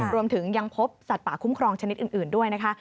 รวมถึงยังพบสัตว์ป่าคุ้มครองชนิดอื่นด้วยนะคะ